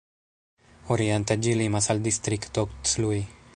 Oriente ĝi limas al distrikto Cluj.